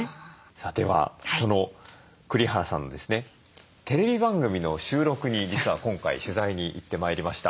さあではその栗原さんのですねテレビ番組の収録に実は今回取材に行ってまいりました。